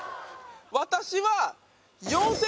私は。